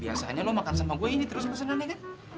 biasanya lo makan sama gue ini terus pesenannya kan